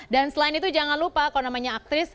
dan selain itu jangan lupa kalau namanya aktris